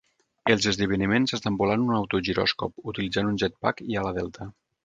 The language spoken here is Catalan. Els esdeveniments estan volant un autogiròscop, utilitzant un Jet Pack, i Ala Delta.